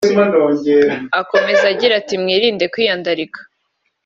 Akomeza agira ati “Mwirinde kwiyandarika